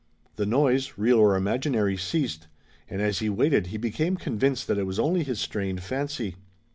The noise, real or imaginary, ceased, and as he waited he became convinced that it was only his strained fancy.